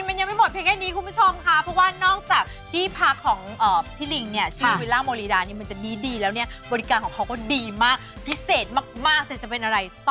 แกรมพันธุ์ประจำนวน